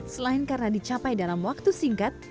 selain karena dicapai dalam waktu singkat